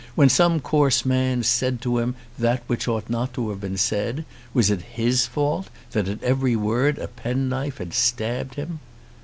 When some coarse man said to him that which ought not to have been said, was it his fault that at every word a penknife had stabbed him?